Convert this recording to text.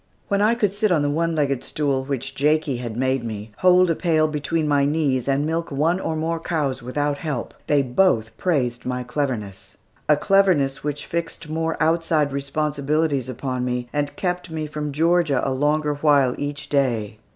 When I could sit on the one legged stool, which Jakie had made me, hold a pail between my knees and milk one or more cows, without help, they both praised my cleverness a cleverness which fixed more outside responsibilities upon me, and kept me from Georgia a longer while each day.